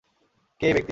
কে এই ব্যক্তি?